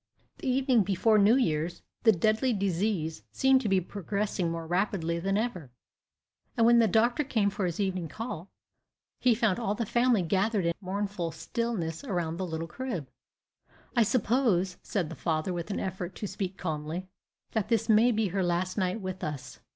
The evening before New Year's, the deadly disease seemed to be progressing more rapidly than ever; and when the doctor came for his evening call, he found all the family gathered in mournful stillness around the little crib. "I suppose," said the father, with an effort to speak calmly, "that this may be her last night with us."